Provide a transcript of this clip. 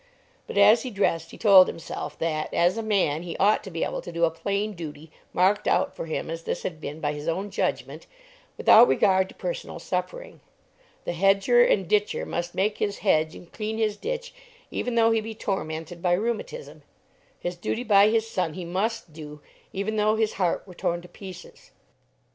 But as he dressed he told himself that, as a man, he ought to be able to do a plain duty, marked out for him as this had been by his own judgment, without regard to personal suffering. The hedger and ditcher must make his hedge and clean his ditch even though he be tormented by rheumatism. His duty by his son he must do, even though his heart were torn to pieces.